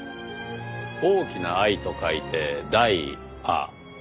「大きな愛」と書いてダイア。